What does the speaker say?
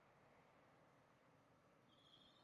Se integra al grupo la cantante Alma García.